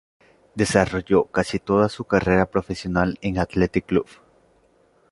Desarrolló casi toda su carrera profesional en el Athletic Club.